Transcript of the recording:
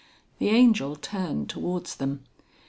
The Angel turned towards them.